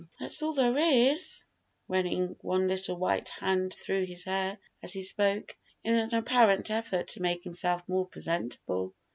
"That's all there is," running one little white hand through his hair as he spoke, in an apparent effort to make himself more presentable.